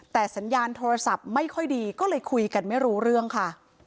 แต่สัญญาณโทรศัพท์ไม่ค่อยดีก็เลยคุยกันไม่รู้เรื่องค่ะ